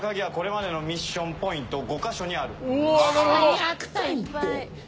１００体って。